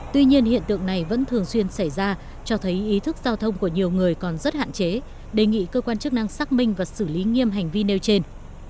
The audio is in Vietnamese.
tuy nhiên hiện tượng này vẫn thường xuyên xảy ra cho thấy ý thức giao thông của nhiều người còn rất hạn chế đề nghị cơ quan chức năng xác minh và xử lý nghiêm hành vi nêu trên